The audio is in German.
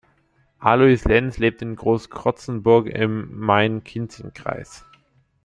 Aloys Lenz lebt in Großkrotzenburg im Main-Kinzig-Kreis.